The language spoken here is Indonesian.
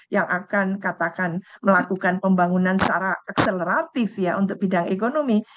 yang akan katakan melakukan pembangunan secara akseleratif ya untuk bidang ekonomi